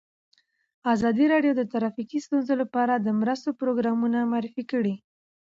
ازادي راډیو د ټرافیکي ستونزې لپاره د مرستو پروګرامونه معرفي کړي.